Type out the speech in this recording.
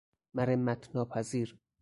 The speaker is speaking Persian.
مرمت ناپذیر